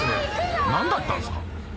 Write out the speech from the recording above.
何だったんすか？